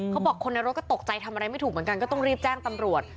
คนในรถก็ตกใจทำอะไรไม่ถูกเหมือนกันก็ต้องรีบแจ้งตำรวจ